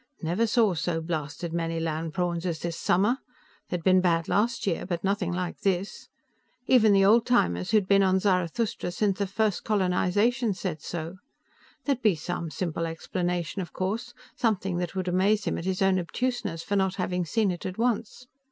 Never saw so blasted many land prawns as this summer. They'd been bad last year, but nothing like this. Even the oldtimers who'd been on Zarathustra since the first colonization said so. There'd be some simple explanation, of course; something that would amaze him at his own obtuseness for not having seen it at once.